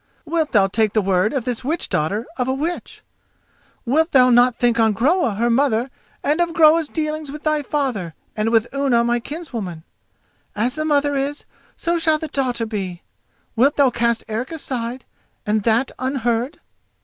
Wilt thou take the word of this witch daughter of a witch? Wilt thou not think on Groa, her mother, and of Groa's dealings with thy father, and with Unna my kinswoman? As the mother is, so shall the daughter be. Wilt thou cast Eric aside, and that unheard?"